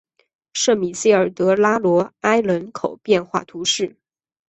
圣米歇尔德拉罗埃人口变化图示